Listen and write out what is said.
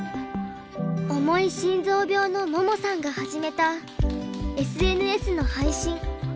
重い心臓病の桃さんが始めたＳＮＳの配信。